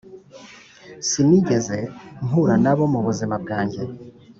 sinigeze mpura nabo mubuzima bwanjye,